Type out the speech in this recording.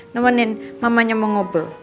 nemenin mamanya mau ngobel